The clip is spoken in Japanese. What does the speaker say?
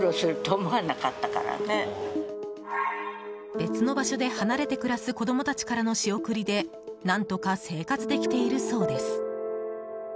別の場所で離れて暮らす子供たちからの仕送りで何とか生活できているそうです。